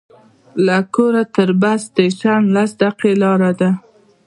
له کوره تر بس سټېشن لس دقیقې لاره ده.